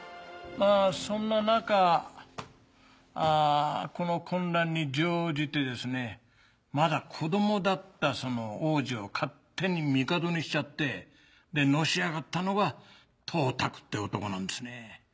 まぁそんな中この混乱に乗じてですねまだ子供だった王子を勝手に帝にしちゃってのし上がったのが董卓って男なんですね。